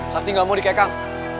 sakti gak mau dikekang